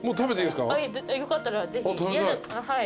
よかったらぜひ。